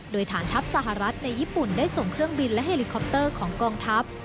โดยฐานทัพสหรัฐในญี่ปุ่นได้ส่งเครื่องบินและเฮลิคอปเตอร์ของกองทัพ